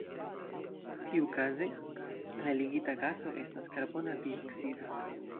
Tiukaze la eligita gaso estas karbona dioksido.